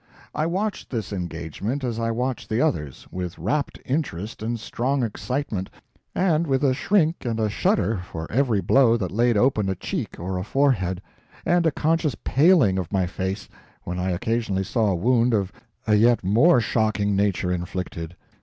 I watched this engagement as I watched the others with rapt interest and strong excitement, and with a shrink and a shudder for every blow that laid open a cheek or a forehead; and a conscious paling of my face when I occasionally saw a wound of a yet more shocking nature inflicted.